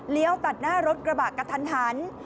เลี้ยวตัดหน้ารถกระบะกระทัน